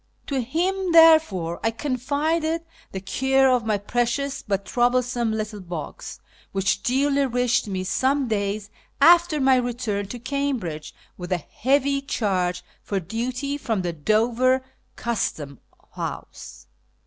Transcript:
To him, therefore, I confided the care of my precious but troublesome little box, which duly reached me some days after my return to Cambridge, with a heavy charge for duty from the Dover Custom House.